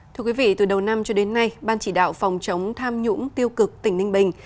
thưa quý vị từ đầu năm cho đến nay ban chỉ đạo phòng chống tham nhũng tiêu cực tỉnh ninh bình